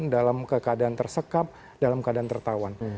dalam keadaan tersekap dalam keadaan tertawan